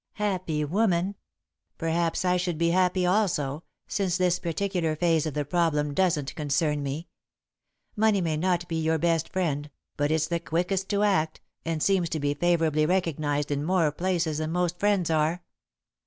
"Happy woman! Perhaps I should be happy, also, since this particular phase of the problem doesn't concern me. Money may not be your best friend, but it's the quickest to act, and seems to be favourably recognised in more places than most friends are.